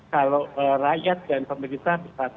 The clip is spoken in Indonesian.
kalau rakyat dan pemerintah